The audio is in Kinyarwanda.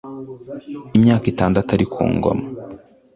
imyaka itandatu ari ku ngoma